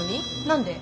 何で？